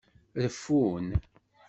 Reffun.